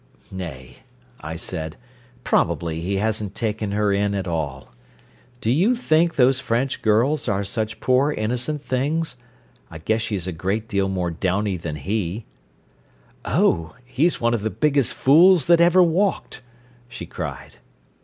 "Nay," I said. "Probably he hasn't taken her in at all. Do you think those French girls are such poor innocent things? I guess she's a great deal more downy than he." "Oh, he's one of the biggest fools that ever walked," she cried.